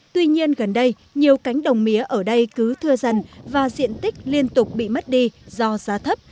tuy nhiên gần đây nhiều cánh đồng mía ở đây cứ thưa dần và diện tích liên tục bị mất đi do giá thấp